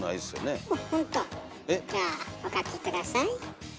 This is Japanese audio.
じゃあお書き下さい。